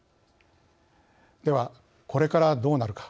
ではこれからどうなるか